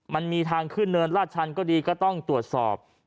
มันมีทางขึ้นเนินราชชันก็ดีก็ต้องตรวจสอบ